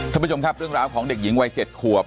ท่านผู้ชมครับเรื่องราวของเด็กหญิงวัย๗ขวบ